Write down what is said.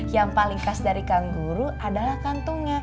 yang paling khas dari kang guru adalah kantungnya